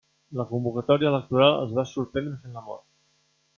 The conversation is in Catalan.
La convocatòria electoral els va sorprendre fent l'amor.